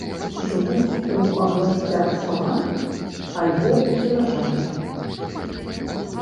Жывуць у абласцях саван альбо ў сенажацях.